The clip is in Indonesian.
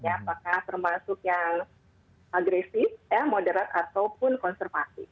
apakah termasuk yang agresif moderat ataupun konservatif